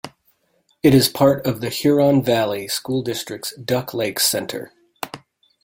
It is part of the Huron Valley School District's Duck Lake Center.